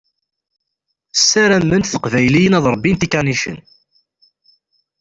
Ssarament teqbayliyin ad ṛebbint ikanicen.